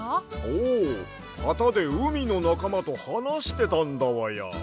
おうはたでうみのなかまとはなしてたんだわや。